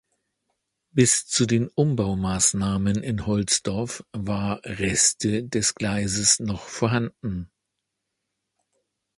Bis zu den Umbaumaßnahmen in Holzdorf war Reste des Gleises noch vorhanden.